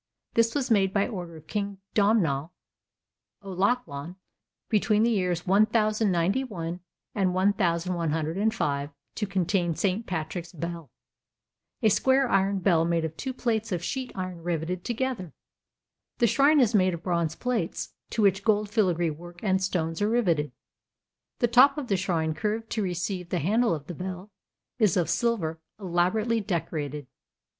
This was made by order of King Domnall O'Lachlainn between the years 1091 and 1105 to contain St. Patrick's Bell, a square iron bell made of two plates of sheet iron riveted together. The shrine is made of bronze plates, to which gold filigree work and stones are riveted. The top of the shrine, curved to receive the handle of the bell, is of silver elaborately decorated.